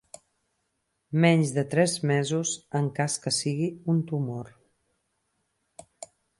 Menys de tres mesos en cas que sigui un tumor.